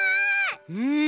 うん！